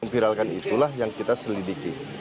viralkan itulah yang kita selidiki